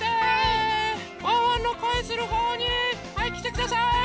ワンワンのこえするほうにはいきてください！